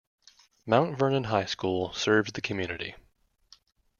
Mount Vernon High School serves the community.